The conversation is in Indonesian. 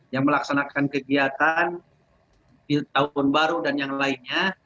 yang melaksanakan kegiatan di tahun baru dan yang lainnya